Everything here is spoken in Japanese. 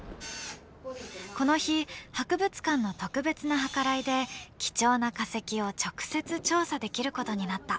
この日博物館の特別な計らいで貴重な化石を直接調査できることになった。